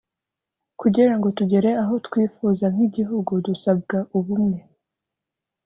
kugirango tugere aho twifuza nk’ igihugu dusabwa ubumwe.